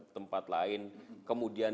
tempat lain kemudian